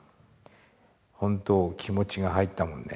ほんと気持ちが入ったもんね